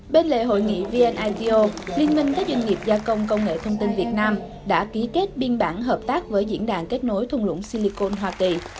bên lề hội nghị vn ito liên minh các doanh nghiệp gia công công nghệ thông tin việt nam đã ký kết biên bản hợp tác với diễn đàn kết nối thùng lũng silicon hoa kỳ